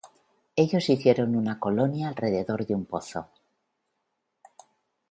Ellos hicieron una colonia alrededor de un pozo.